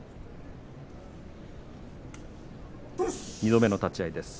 ２度目の立ち合いです。